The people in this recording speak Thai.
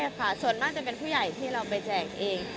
ใช่ค่ะส่วนมากจะเป็นผู้ใหญ่ที่เราไปแจกเอง